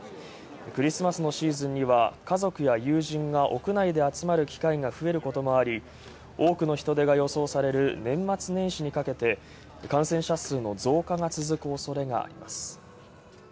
クリスマスのシーズンには家族や友人が屋内で集まる機会が増えることもあり、多くの人出が予測される年末年始にかけて感染者の増加が続く恐れがあります。